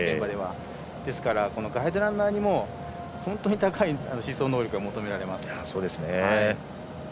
ですからガイドランナーにも本当に高い試走能力が求められます。